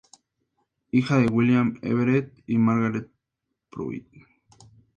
Hija de William Everett y Margaret Pruitt.